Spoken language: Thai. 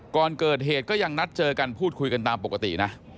ก่อนเกิดเหตุก็ยังนัดเจอกันพูดคุยกันตามปกตินะ